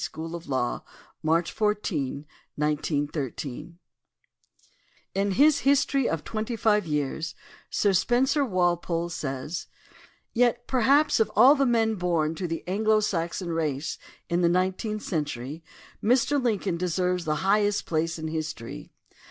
THE DEMOCRACY OF ABRAHAM LINCOLN ' In his History of Twenty five Years Sir Spencer Walpole says: "Yet, perhaps, of all the men born to the Anglo Saxon race in the nineteenth century, Mr. Lincoln deserves the highest place in history.